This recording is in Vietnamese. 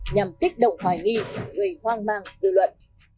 nhằm kích động hoài nghi gây hoang mang dư luận